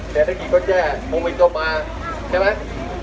เดี๋ยวเมื่อกี้ก็แจ้มุมมิตรก็มาใช่ไหม